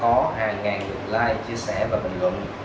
có hàng ngàn lượt like chia sẻ và bình luận